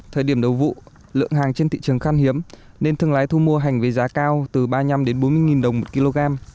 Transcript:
thời điểm đầu vụ lượng hàng trên thị trường khan hiếm nên thương lái thu mua hành với giá cao từ ba mươi năm bốn mươi đồng một kg